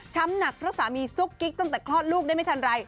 หนักเพราะสามีซุกกิ๊กตั้งแต่คลอดลูกได้ไม่ทันไร